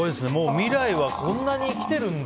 未来はこんなに来てるんだ。